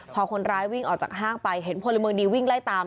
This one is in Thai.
พอคนร้ายวิ่งออกจากห้างไปเห็นพลเมืองดีวิ่งไล่ตาม